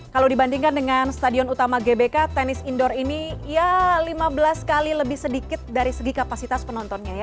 kalau dibandingkan dengan stadion utama gbk tenis indoor ini ya lima belas kali lebih sedikit dari segi kapasitas penontonnya ya